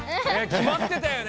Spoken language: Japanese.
きまってたよね！